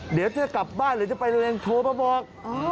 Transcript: เดี๋ยวจะกลับบ้านหรือจะไปโรงเรียนโทรมาบอก